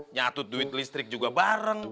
nyatut duit listrik juga bareng